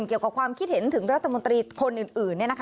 เกี่ยวกับความคิดเห็นถึงรัฐมนตรีคนอื่น